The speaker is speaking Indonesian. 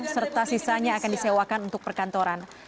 serta sisanya akan disewakan untuk perkantoran